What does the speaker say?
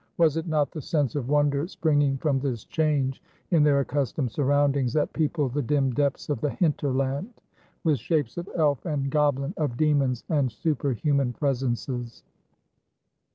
Was it not the sense of wonder springing from this change in their accustomed surroundings that peopled the dim depths of the hinterland with shapes of elf and goblin, of demons and super human presences?